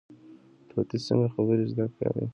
طوطي څنګه خبرې زده کوي؟